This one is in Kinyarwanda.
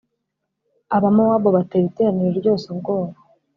abamowabu batera iteraniro ryose ubwoba